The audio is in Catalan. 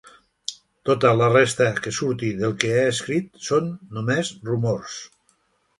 Tota la resta que surti del que he escrit, són només rumors.